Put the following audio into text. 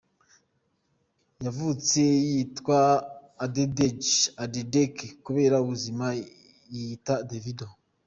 Yavutse yitwa Adedeji Adeleke kubera ubuzima yiyita Davido.